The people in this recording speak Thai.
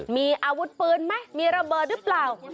มีอาวุธปืนไหมมีระเบิดหรือเปล่า